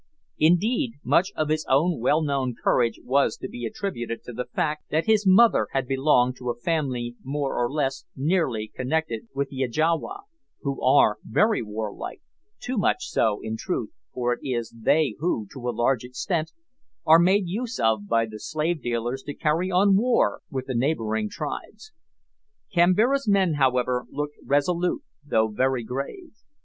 Indeed, much of his own well known courage was to be attributed to the fact, that his mother had belonged to a family more or less nearly connected with the Ajawa, who are very warlike too much so, in truth, for it is they who, to a large extent are made use of by the slave dealers to carry on war with the neighbouring tribes. Kambira's men, however, looked resolute, though very grave.